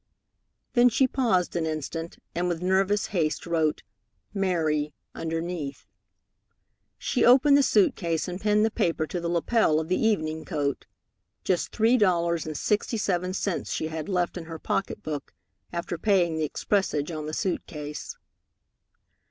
Then she paused an instant, and with nervous haste wrote "Mary" underneath. She opened the suit case and pinned the paper to the lapel of the evening coat. Just three dollars and sixty seven cents she had left in her pocket book after paying the expressage on the suit case.